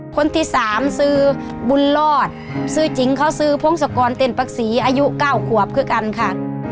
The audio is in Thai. คนที่สามซื้อบุญรอดซื้อจริงเขาซื้อพงศกรเต้นปักศรีอายุ๙ขวบคือกันค่ะ